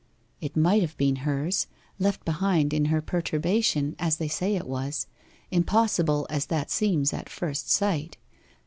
'It might have been hers left behind in her perturbation, as they say it was impossible as that seems at first sight.